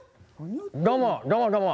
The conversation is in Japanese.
どうもどうもどうも。